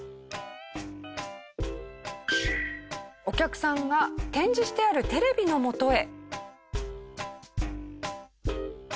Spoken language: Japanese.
お客さんが展示してあるテレビのもとへ。